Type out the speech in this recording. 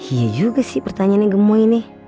iya juga sih pertanyaannya gemoy nih